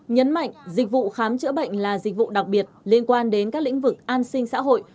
nhấn mạnh dịch vụ khám chữa bệnh là dịch vụ đặc biệt liên quan đến các lĩnh vực an sinh xã hội